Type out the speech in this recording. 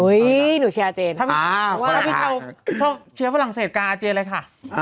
โอ้ยหนูเชียร์อาเจนถ้าพี่เฉาว์ชอบเชียร์ฝรั่งเศสการอาเจนเลยค่ะ